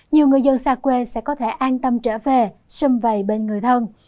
nhiều người dân xa quê sẽ có thể an tâm trở về xâm vầy bên người thân